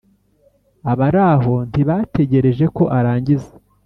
abaraho ntibategereje ko arangiza